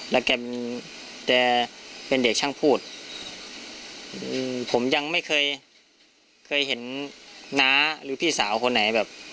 แล้วแกเป็นแกเป็นเด็กช่างพูดอืมผมยังไม่เคยเคยเห็นน้าหรือพี่สาวคนไหนแบบ